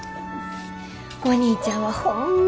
お兄ちゃんはホンマ